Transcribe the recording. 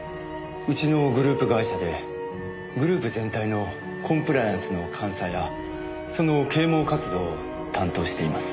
うちのグループ会社でグループ全体のコンプライアンスの監査やその啓蒙活動を担当しています。